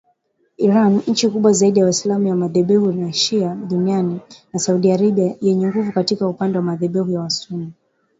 Iran, nchi kubwa zaidi ya waislamu wa madhehebu ya shia duniani, na Saudi Arabia yenye nguvu katika upande madhehebu ya wasunni